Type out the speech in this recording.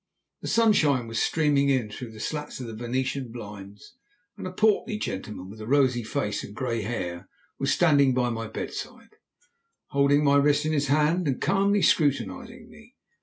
The sunshine was streaming in through the slats of the Venetian blinds, and a portly gentleman, with a rosy face, and grey hair, was standing by my bedside, holding my wrist in his hand, and calmly scrutinizing me.